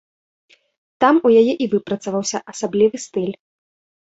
Там у яе і выпрацаваўся асаблівы стыль.